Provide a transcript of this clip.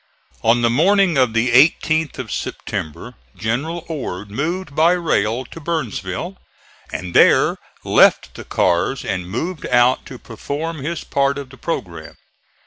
On the morning of the 18th of September General Ord moved by rail to Burnsville, and there left the cars and moved out to perform his part of the programme.